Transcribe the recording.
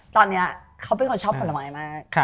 ตอนนี้เขาเป็นคนชอบผลไม้มาก